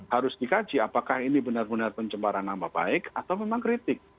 harus dikaji apakah ini benar benar pencemaran nama baik atau memang kritik